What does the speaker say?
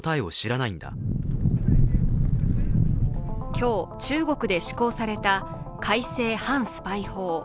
今日、中国で施行された改正反スパイ法。